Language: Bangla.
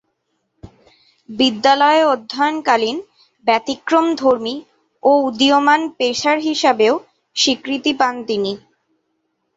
বিদ্যালয়ে অধ্যয়নকালীন ব্যতিক্রমধর্মী ও উদীয়মান পেসার হিসেবেও স্বীকৃতি পান তিনি।